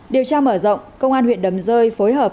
điều tra mở rộng công an huyện đầm rơi phối hợp